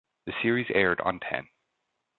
The series aired on Ten.